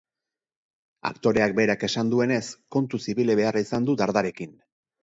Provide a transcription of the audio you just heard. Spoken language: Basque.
Aktoreak berak esan duenez, kontuz ibili behar izan du dardarekin.